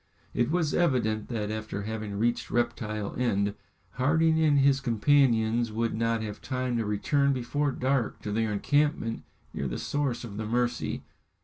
It was evident that after having reached Reptile End, Harding and his companions would not have time to return before dark to their encampment near the source of the Mercy.